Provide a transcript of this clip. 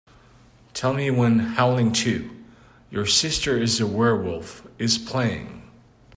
Tell me when Howling II: Your Sister Is a Werewolf is playing.